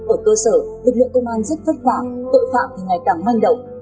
ở cơ sở lực lượng công an rất vất vả tội phạm thì ngày càng manh động